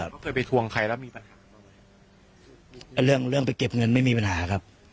ไม่เคยไปทวงใครแล้วมีปัญหาเรื่องเรื่องไปเก็บเงินไม่มีปัญหาครับ